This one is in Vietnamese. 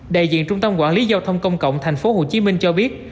đại diện trung tâm quản lý giao thông công cộng tp hcm cho biết